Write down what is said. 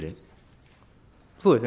そうですね。